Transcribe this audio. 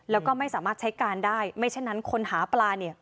แล้วก็ไม่สามารถใช้การได้ไม่เช่นนั้นคนหาปลาเนี่ย